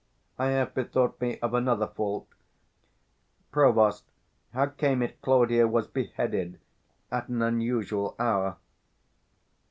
I have bethought me of another fault. Provost, how came it Claudio was beheaded 455 At an unusual hour?